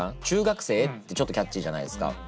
中学生ってちょっとキャッチーじゃないですか。